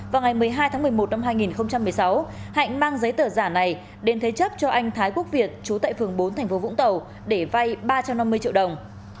vào ngày một mươi hai tháng một mươi một năm hai nghìn một mươi sáu hạnh mang giấy tờ giả này đến thế chấp cho anh thái quốc việt chú tại phường bốn thành phố vũng tàu để vay ba trăm năm mươi triệu đồng